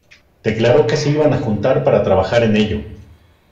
Declaró que se iban a juntar para trabajar en ello.